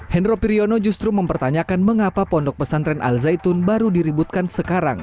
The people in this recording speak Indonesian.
hendro priyono justru mempertanyakan mengapa ponpes al zaitun baru diributkan sekarang